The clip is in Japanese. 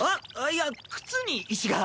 いや靴に石が。